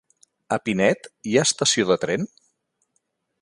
A Pinet hi ha estació de tren?